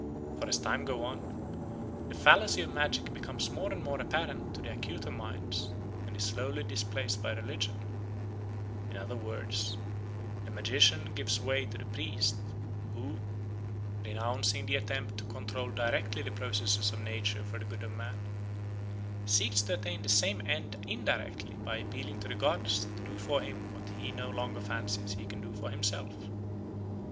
For as time goes on, the fallacy of magic becomes more and more apparent to the acuter minds and is slowly displaced by religion; in other words, the magician gives way to the priest, who, renouncing the attempt to control directly the processes of nature for the good of man, seeks to attain the same end indirectly by appealing to the gods to do for him what he no longer fancies he can do for himself.